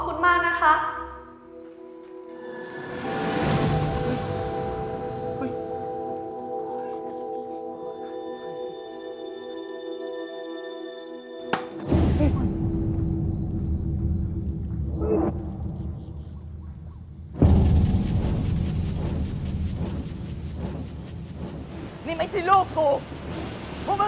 พี่ป๋องครับผมเคยไปที่บ้านผีคลั่งมาแล้ว